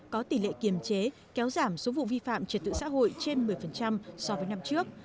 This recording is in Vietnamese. có tỷ lệ kiềm chế kéo giảm số vụ vi phạm trật tự xã hội trên một mươi so với năm trước